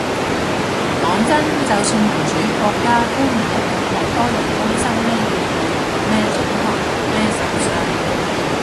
講真，就算民主國家，都唔一定好多人關心咩議會咩總統咩首相